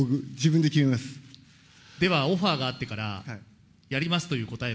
ではオファーがあってから、やりますという答えは。